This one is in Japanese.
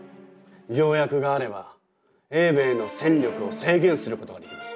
条約があれば英米の戦力を制限することができます。